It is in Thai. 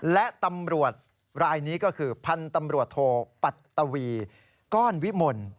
และตำรวจรายนี้ก็คือพันธุ์ตำรวจโทปัตตวีก้อนวิมล